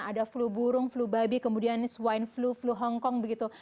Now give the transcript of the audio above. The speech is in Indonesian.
ada flu burung flu babi kemudian swine flu flu hongkong begitu